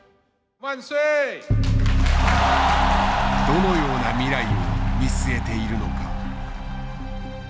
どのような未来を見据えているのか？